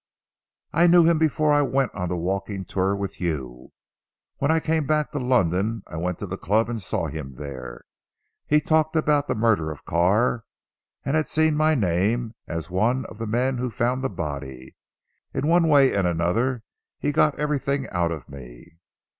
"I knew him before I went on the walking tour with you. When I came back to London I went to the club and saw him there. He talked about the murder of Carr and had seen my name as one of the men who found the body. In one way and another he got everything out of me."